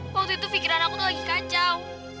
waktu itu pikiran aku tuh lagi kacau